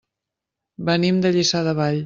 Venim de Lliçà de Vall.